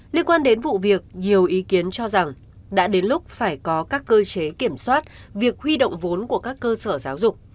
liên quan đến vụ việc nhiều ý kiến cho rằng đã đến lúc phải có các cơ chế kiểm soát việc huy động vốn của các cơ sở giáo dục